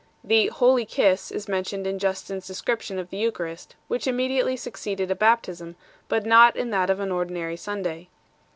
The "holy kiss" is mentioned in Justin s description of the Eucharist which immediately succeeded a baptism, but not in that of an ordinary Sunday.